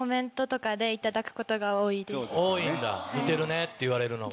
多いんだ似てるねって言われるのが。